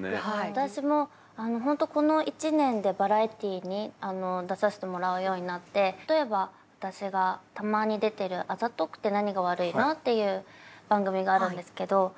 私も本当この１年でバラエティーに出させてもらうようになって例えば私がたまに出てる「あざとくて何が悪いの？」っていう番組があるんですけど。